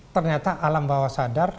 ternyata alam bawah sadar